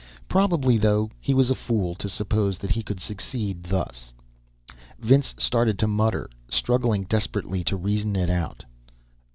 Probably, though, he was a fool, to suppose that he could succeed, thus. Vince started to mutter, struggling desperately to reason it out.